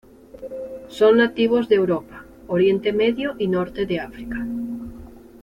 Son nativos de Europa, Oriente Medio y norte de África.